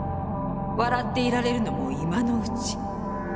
笑っていられるのも今のうち。